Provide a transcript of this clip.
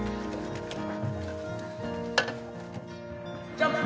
ジャンプ！